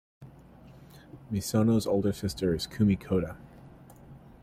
Misono's older sister is Kumi Koda.